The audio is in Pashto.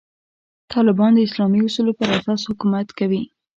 طالبان د اسلامي اصولو پر اساس حکومت کوي.